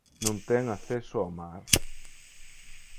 Non ten acceso ó mar.